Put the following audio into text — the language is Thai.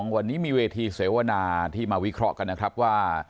วันนี้มีเวทีเสวนาที่มาวิเคราะห์กันนะครับว่า